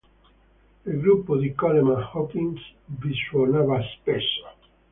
Il gruppo di Coleman Hawkins vi suonava spesso.